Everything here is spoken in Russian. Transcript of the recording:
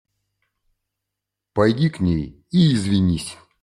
Пойди к ней и извинись.